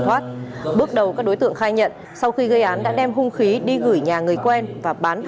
thoát bước đầu các đối tượng khai nhận sau khi gây án đã đem hung khí đi gửi nhà người quen và bán